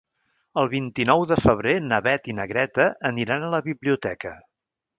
El vint-i-nou de febrer na Beth i na Greta aniran a la biblioteca.